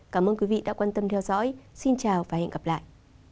cảm ơn quý vị đã quan tâm theo dõi xin chào và hẹn gặp lại